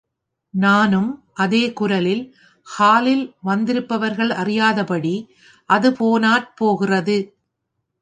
நானும் அதே குரலில் ஹாலில் வந்திருப்பவர்கள் அறியாதபடி, அது போனாற் போகிறது.